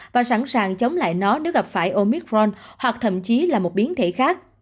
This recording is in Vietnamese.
và sẵn sàng chống lại nó nếu gặp phải omicron hoặc thậm chí là một biến thể khác